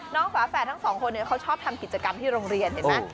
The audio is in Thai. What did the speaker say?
น้องฝาแฝดทั้ง๒คนเนี่ยเค้าชอบทำกิจกรรมที่โรงเรียนเห็นไหม